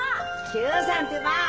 久さんってば！